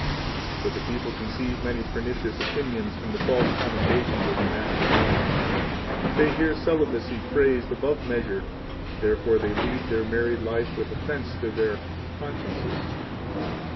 51 But the people conceive many pernicious opinions from the false commendations of monastic life. 52 They hear celibacy praised above measure; therefore they lead their married life with offense to their consciences.